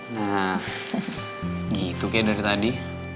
nah gitu kayak dari tadi